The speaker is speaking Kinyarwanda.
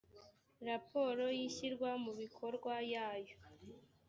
raporo y ishyirwa mu bikorwa yayo